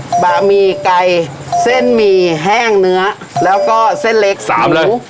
อ่ะบามีไก่เส้นมีแห้งเนื้อแล้วก็เส้นเล็กหูทำเลย